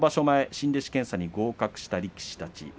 前、新弟子検査に合格した力士たち。